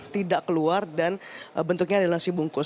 tidak keluar dan bentuknya adalah si bungkus